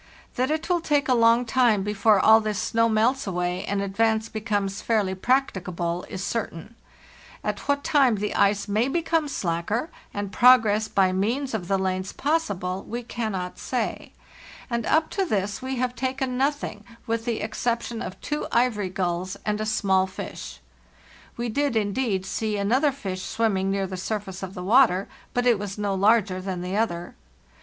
That it will take a long time before all this snow melts away and ad vance becomes fairly practicable is certain; at what time the ice may become slacker, and progress by means of the lanes possible, we cannot say; and up to this we have oulls and taken nothing, with the exception of two ivory g a small fish. We did, indeed, see another fish swimming near the surface of the water, but it was no larger than the other.